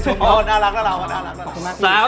ชมเขาสิ